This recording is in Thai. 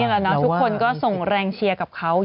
นี่แหละเนอะทุกคนก็ส่งแรงเชียร์กับเขาเยอะมากมาก